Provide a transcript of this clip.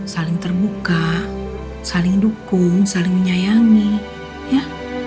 saling terbuka saling dukung saling menyayangi ya